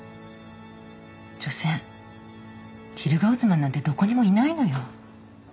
しょせん昼顔妻なんてどこにもいないのよ。